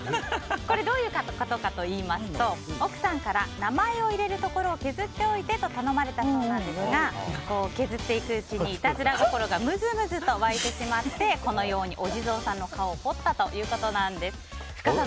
どういうことかといいますと奥さんから名前を入れるところ削っておいてと頼まれたそうなんですが削っていくうちに、いたずら心がむずむずと湧いてしまってこのようにお地蔵さんの顔を彫ったということです。